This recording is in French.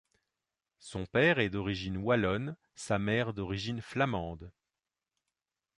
Son père est d'origine wallonne, sa mère d'origine flamande.